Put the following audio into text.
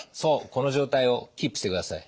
この状態をキープしてください。